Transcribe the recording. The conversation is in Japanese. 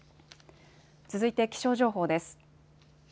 続いて気象情報です。